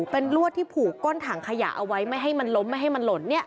เป็นลวดที่ผูกก้นถังขยะเอาไว้ไม่ให้มันล้มไม่ให้มันหล่น